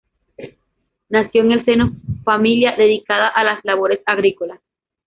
Nació en el seno familia dedicada a las labores agrícolas.